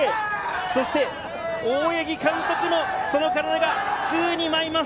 そして、大八木監督の体が宙に舞います。